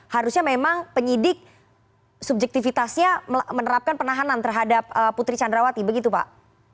harusnya memang penyidik subjektivitasnya menerapkan penahanan terhadap putri candrawati begitu pak